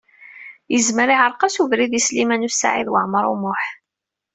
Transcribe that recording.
Izmer iɛṛeq-as ubrid i Sliman U Saɛid Waɛmaṛ U Muḥ.